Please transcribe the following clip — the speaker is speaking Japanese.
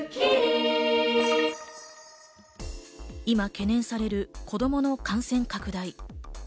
今、懸念される子供の感染拡大。